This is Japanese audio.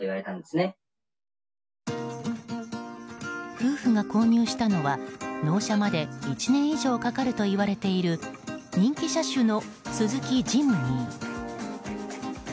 夫婦が購入したのは納車まで１年以上かかるといわれている人気車種のスズキ・ジムニー。